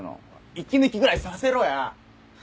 息抜きぐらいさせろや。